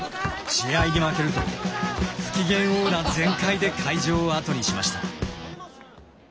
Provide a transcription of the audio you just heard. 試合に負けると不機嫌オーラ全開で会場を後にしました。